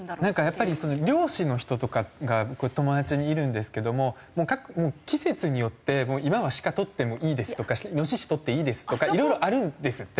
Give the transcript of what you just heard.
やっぱり猟師の人とかが僕友達にいるんですけども季節によって今はシカとってもいいですとかイノシシとっていいですとかいろいろあるんですって。